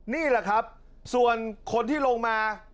นี่แหละครับส่วนคนที่ลงมา